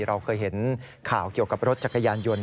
เราเคยเห็นข่าวเกี่ยวกับรถจักรยานยนต์